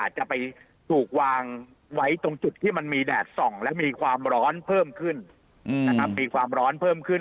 อาจจะไปถูกวางไว้ตรงจุดที่มันมีแดดส่องและมีความร้อนเพิ่มขึ้น